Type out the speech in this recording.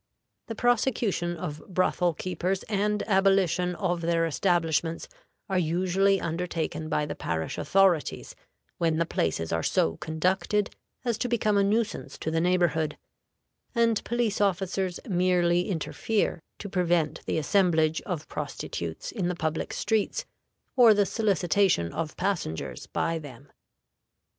The prosecution of brothel keepers and abolition of their establishments are usually undertaken by the parish authorities when the places are so conducted as to become a nuisance to the neighborhood; and police officers merely interfere to prevent the assemblage of prostitutes in the public streets, or the solicitation of passengers by them.